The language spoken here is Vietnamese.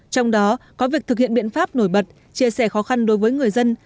trong đó có việc thực hiện biện pháp nổi bật chia sẻ khó khăn đối với người dân